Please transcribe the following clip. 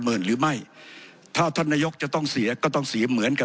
ผมจะขออนุญาตให้ท่านอาจารย์วิทยุซึ่งรู้เรื่องกฎหมายดีเป็นผู้ชี้แจงนะครับ